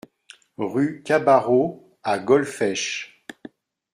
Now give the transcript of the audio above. Rue Cabarrot à Golfech